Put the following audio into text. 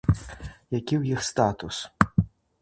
Які ў іх статус?